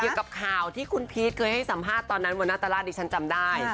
เกี่ยวกับข่าวที่คุณพีชเคยให้สัมภาษณ์ตอนนั้นบนหน้าตลาดดิฉันจำได้